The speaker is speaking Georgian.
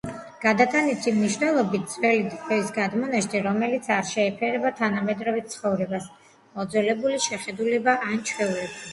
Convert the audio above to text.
გადატანითი მნიშვნელობით: ძველი დროის გადმონაშთი, რომელიც არ შეეფერება თანამედროვე ცხოვრებას; მოძველებული შეხედულება ან ჩვეულება.